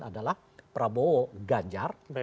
adalah prabowo ganjar